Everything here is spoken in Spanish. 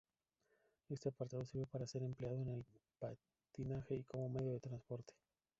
Este aparato sirve para ser empleado en el patinaje y como medio de transporte.